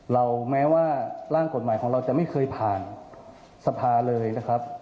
แม้ว่าร่างกฎหมายของเราจะไม่เคยผ่านสภาเลยนะครับ